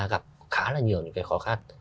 gặp khá là nhiều những cái khó khăn